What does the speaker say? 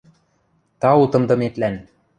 – Тау тымдыметлӓн.